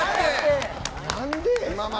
何で。